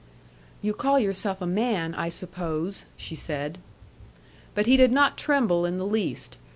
"You call yourself a man, I suppose," she said. But he did not tremble in the least.